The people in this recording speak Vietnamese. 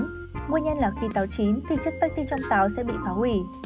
nguyên nhân là khi táo chín thì chất pháci trong táo sẽ bị phá hủy